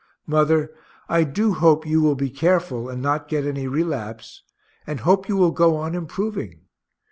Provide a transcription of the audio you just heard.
Mother, I do hope you will be careful, and not get any relapse and hope you will go on improving.